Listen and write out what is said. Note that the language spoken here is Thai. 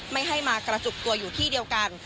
ไม่ให้มากระจุกตัวอยู่ที่เดียวกัน